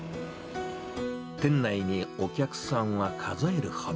店内にお客さんは数えるほど。